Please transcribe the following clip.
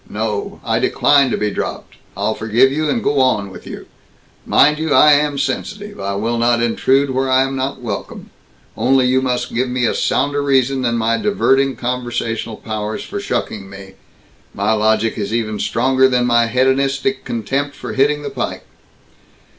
No! I decline to be dropped. I'll forgive you and go on with you. Mind you, I am sensitive. I will not intrude where I am not welcome. Only you must give me a sounder reason than my diverting conversational powers for shucking me. My logic is even stronger than my hedonistic contempt for hitting the pike."